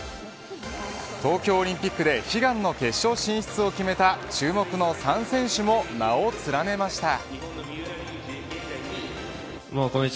東京オリンピックで悲願の決勝進出を決めた注目の３選手も名を連ねました。